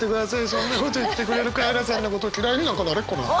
そんなこと言ってくれるカエラさんのことを嫌いになんかなれっこない。